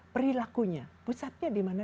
perilakunya pusatnya di mana